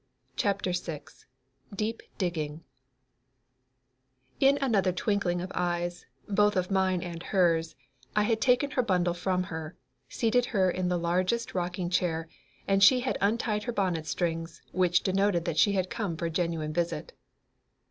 CHAPTER VI DEEP DIGGING And in another twinkling of eyes, both of mine and hers, I had taken her bundle from her, seated her in the largest rocking chair, and she had untied her bonnet strings, which denoted that she had come for a genuine visit.